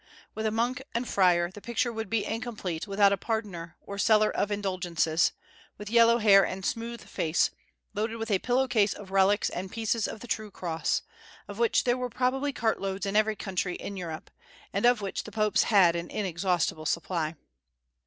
With a monk and friar, the picture would be incomplete without a pardoner, or seller of indulgences, with yellow hair and smooth face, loaded with a pillow case of relics and pieces of the true cross, of which there were probably cartloads in every country in Europe, and of which the popes had an inexhaustible supply.